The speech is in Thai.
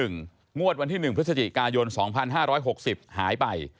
งวดวันที่๑พฤศจิกายน๒๕๖๐หายไป